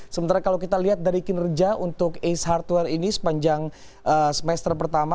sementara kalau kita lihat dari kinerja untuk ace hardware ini sepanjang semester pertama